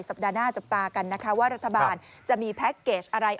สัปดาห์หน้าจับตากันนะคะว่ารัฐบาลจะมีแพ็คเกจอะไร